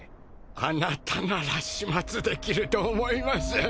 あなたなら始末できると思います。